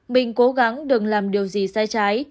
mình cố gắng đừng làm điều gì sai trái